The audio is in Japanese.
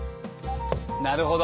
なるほど。